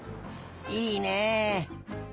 いいね。